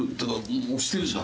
押してるじゃん。